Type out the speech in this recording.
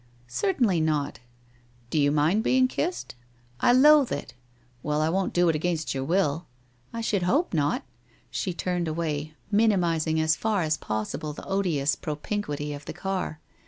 ' Certainly not/ 1 Do you mind being kissed ?'■ I loathe it !'* Well, I won't do it against your will/ ' I should hope not.' She turned away, minimizing as far as possible the odious propinquity of the car.